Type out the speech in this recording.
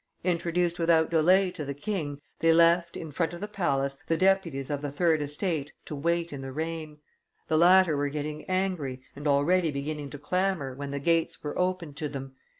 Introduced without delay to the king, they left, in front of the palace, the deputies of the third estate to wait in the rain. The latter were getting angry and already beginning to clamor, when the gates were opened to them.